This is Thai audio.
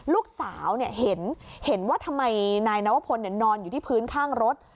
ลูกสาวเห็นว่าทำไมนายนวพลนอนอยู่ที่พื้นข้างรถ